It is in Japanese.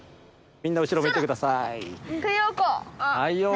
みんな後ろ向いてください。